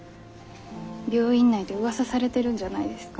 病院内でうわさされてるんじゃないですか？